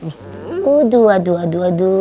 aduh aduh aduh